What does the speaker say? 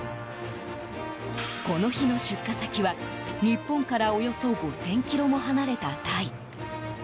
この日の出荷先は、日本からおよそ５０００ｋｍも離れたタイ。